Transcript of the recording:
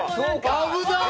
危ない！